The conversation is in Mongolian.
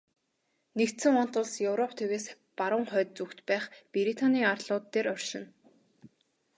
Нэгдсэн вант улс Европ тивээс баруун хойд зүгт байх Британийн арлууд дээр оршино.